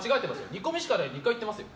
煮込みしかないって２回言ってますよ。